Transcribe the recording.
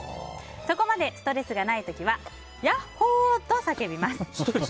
そこまでストレスがない時はヤッホーと叫びます。